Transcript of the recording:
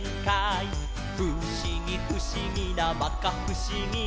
「ふしぎふしぎなまかふしぎ」